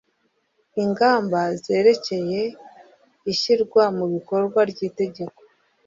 ingamba zerekeye ishyirwa mu bikorwa ry'itegeko